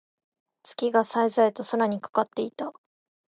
月が冴え冴えと空にかかっていた。